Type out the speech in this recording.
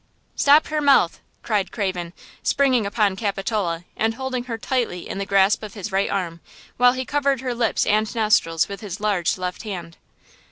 "Stop her mouth!" cried Craven, springing upon Capitola and holding her tightly in the grasp of his right arm, while he covered her lips and nostrils with his large left hand.